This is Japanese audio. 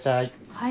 はい。